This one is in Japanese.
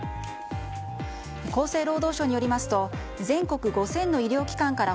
厚生労働省によりますと全国５０００の医療機関から